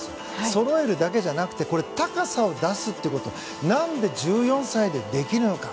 そろえるだけじゃなくて高さを出すということがなぜ１４歳でできるのか。